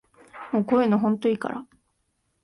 もうこういうのほんといいから